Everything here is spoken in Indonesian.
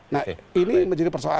nah ini menjadi persoalan